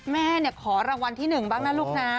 แม่ขอรางวัลที่๑บ้างนะลูกนะ